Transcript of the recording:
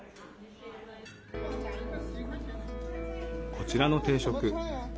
こちらの定食。